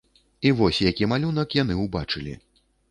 І вось які малюнак яны ўбачылі.